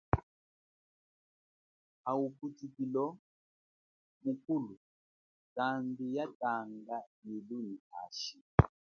Ha ubutukilo mukulu zambi yatanga lilu nyi hashi.